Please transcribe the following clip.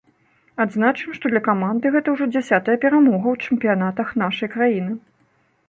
Адзначым, што для каманды гэта ўжо дзясятая перамога ў чэмпіянатах нашай краіны.